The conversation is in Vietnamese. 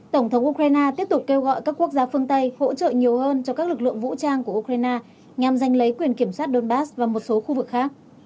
tổng thống ukraine tiếp tục kêu gọi các quốc gia phương tây hỗ trợ nhiều hơn cho các lực lượng vũ trang của ukraine nhằm giành lấy quyền kiểm soát donbass và một số khu vực khác